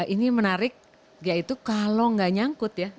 ini menarik yaitu kalau nggak nyangkut ya